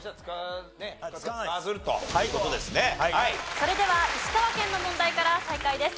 それでは石川県の問題から再開です。